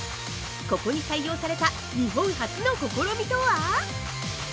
ここに採用された日本初の試みとは！？